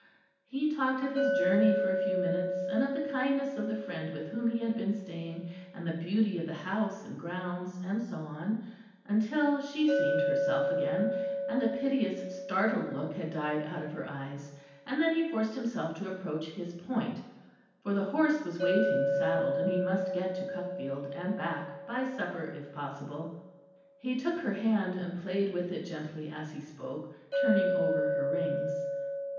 He talked of his journey for a few minutes; and of the kindness of the friend with whom he had been staying, and the beauty of the house and grounds, and so on; until she seemed herself again; and the piteous startled look had died out of her eyes: and then he forced himself to approach his point; for the horse was waiting saddled; and he must get to Cuckfield and back by supper if possible. He took her hand and played with it gently as he spoke, turning over her rings.